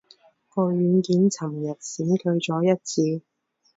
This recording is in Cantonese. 個軟件尋日閃退咗一次